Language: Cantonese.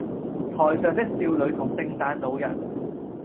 台上的少女同聖誕老人